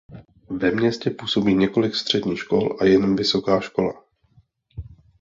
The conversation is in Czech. Ve městě působí několik středních škol a jen vysoká škola.